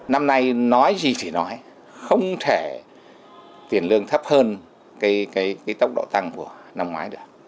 năm nay nói gì chỉ nói không thể tiền lương thấp hơn tốc độ tăng của năm ngoái được